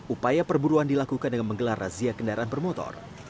upaya perburuan dilakukan dengan menggelar razia kendaraan bermotor